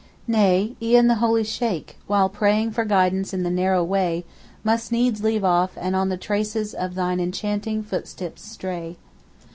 Nay, e'en the holy Sheykh, while praying For guidance in the narrow way, Must needs leave off, and on the traces Of thine enchanting footsteps stray.